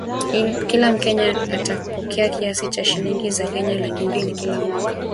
kila mkenya atapokea kiasi cha shilingi za Kenya laki mbili kila mwaka